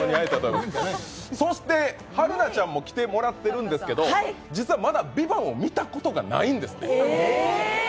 そして春菜ちゃんも来ていただいているんですけれども、実はまだ「ＶＩＶＡＮＴ」を見たことがないんですね。